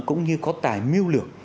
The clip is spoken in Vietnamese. cũng như có tài miêu lược